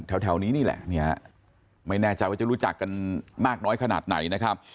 แถวนี้นี่แหละไม่แน่ใจว่าจะรู้จักกันมากน้อยขนาดไหนนะครับ